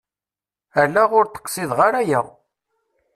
Ala ur d-qsideɣ ara aya!